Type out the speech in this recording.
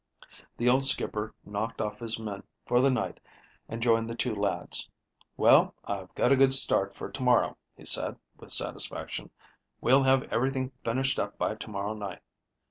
The old skipper knocked off his men for the night and joined the two lads. "Well, I've got a good start for to morrow," he said, with satisfaction. "We'll have everything finished up by to morrow night.